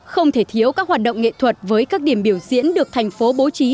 không thể thiếu các hoạt động nghệ thuật với các điểm biểu diễn được thành phố bố trí